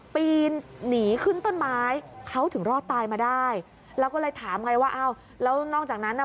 ปีนหนีขึ้นต้นไม้เขาถึงรอดตายมาได้แล้วก็เลยถามไงว่าอ้าวแล้วนอกจากนั้นน่ะ